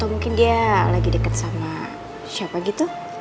atau mungkin dia lagi deket sama siapa gitu